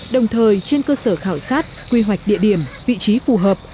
đồng thời trên cơ sở khảo sát quy hoạch địa điểm vị trí phù hợp